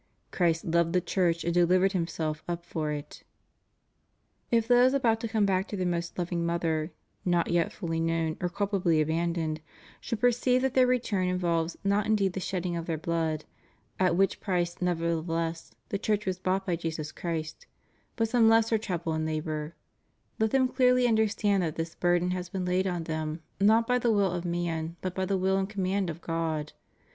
Christ loved the Church, and delivered Himself wp for it} If those about to come back to their most loving Mother (not yet fully known, or culpably abandoned) should perceive that their return involves not indeed the shedding of their blood (at which price nevertheless the Church » Eph. V. 25 350 THE UNITY OF THE CHURCH. 351 was bought by Jesus Christ) but some lesser trouble and labor, let them clearly understand that this burden has been laid on them not by the wiU of man but by the will and command of God.